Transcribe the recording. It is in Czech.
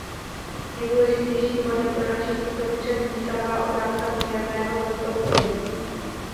Nejdůležitějším bodem pro naši skupinu však zůstává otázka poměrného zastoupení.